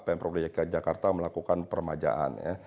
pemprov dki jakarta melakukan permajaan ya